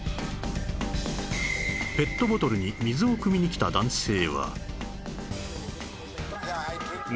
ペットボトルに水をくみに来た男性は